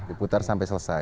diputar sampai selesai